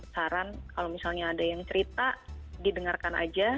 saran kalau misalnya ada yang cerita didengarkan aja